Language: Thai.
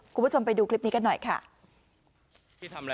คุณผู้ชมไปดูคลิปนี้กันหน่อยค่ะ